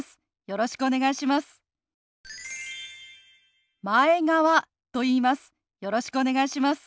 よろしくお願いします。